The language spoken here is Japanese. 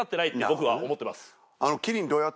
僕は思ってます。